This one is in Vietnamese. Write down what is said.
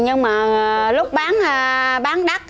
nhưng mà lúc bán đắt